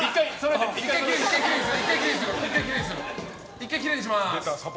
１回、きれいにします。